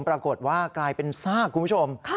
ปรากฏว่ากลายเป็นซากคุณผู้ชม